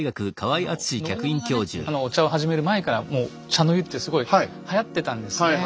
あの信長がねお茶を始める前からもう茶の湯ってすごいはやってたんですね。